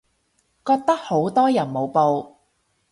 覺得好多人冇報